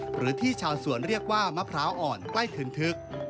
หรือที่ชาวสวนเรียกว่ามะพร้าวอ่อนใกล้คืนทึก